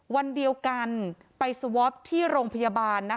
วันเดียวกันไปสวอปที่โรงพยาบาล